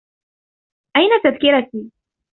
أين تذكرتي؟